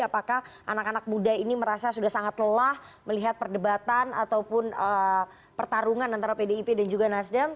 apakah anak anak muda ini merasa sudah sangat lelah melihat perdebatan ataupun pertarungan antara pdip dan juga nasdem